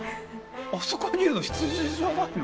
あそこにいるの羊じゃないの？